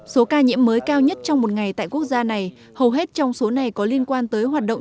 số ca nhiễm mới cao nhất trong một ngày tại quốc gia này hầu hết trong số này có liên quan tới hoạt động